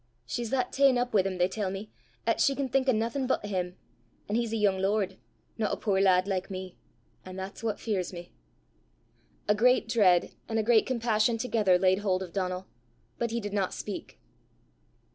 She's that ta'en up wi' him, they tell me, 'at she can think o' naething but him; an' he's a yoong lord, no a puir lad like me an' that's what fears me!" A great dread and a great compassion together laid hold of Donal, but he did not speak.